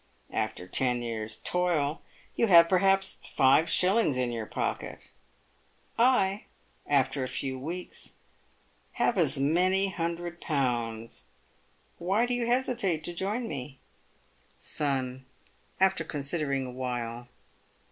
After ten years' toil, you have perhaps five shillings in your pocket ; I, after a few weeks, have as many hundred pounds. Why do you hesitate to join me ? Son (after considering a while).